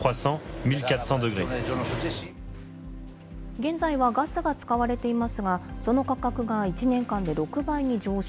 現在はガスが使われていますが、その価格が１年間で６倍に上昇。